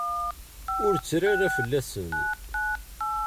Ur ttru ara fell-asen.